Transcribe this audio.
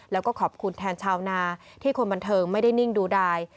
แล้วก็ขอบคุณแทนชาวนาที่คนบันเทิงไม่ได้นิ่งดูดาย